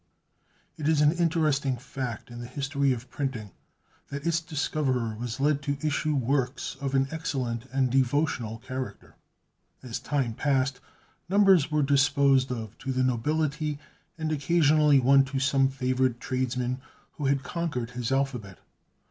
It is an interesting fact in the history of printing that its discoverer was led to issue works of an excellent and devotional character. As time passed, numbers were disposed of to the nobility, and occasionally one to some favored tradesman who had conquered his alphabet.